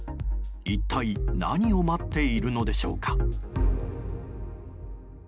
一体何を待っているのでしょうか。